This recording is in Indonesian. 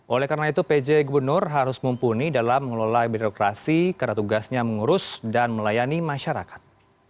oleh karena itu pj gubernur harus mumpuni dalam mengelola birokrasi karena tugasnya mengurus dan melayani masyarakat